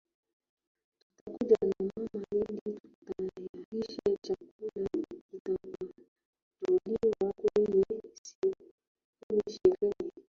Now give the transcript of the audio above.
Tutakuja na mama ili tutayarishe chakula kitakacholiwa kwenye sherehee.